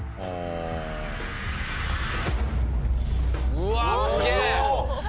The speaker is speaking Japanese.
うわっすげえ！